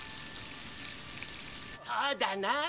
そうだなあ。